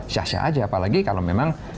syah syah aja apalagi kalau memang